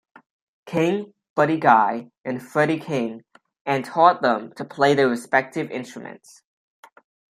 King, Buddy Guy, and Freddie King, and taught them to play their respective instruments.